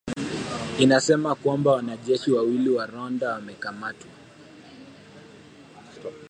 imesema kwamba wanajeshi wawili wa Rwanda wamekamatwa